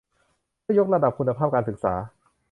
เพื่อยกระดับคุณภาพการศึกษา